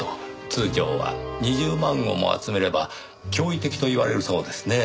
通常は２０万語も集めれば驚異的と言われるそうですね。